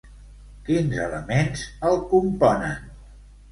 Quins elements el componen?